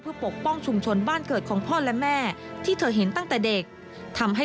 เอาความรู้ทั้งหมดที่มี